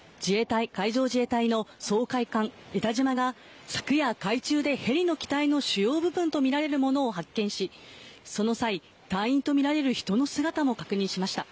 海上自衛隊の掃海艦「えたじま」が昨夜、海中でヘリの機体の主要部分とみられるものを発見しその際、隊員とみられる人の姿も確認しました。